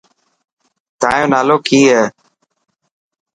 تايو نالو ڪي هي.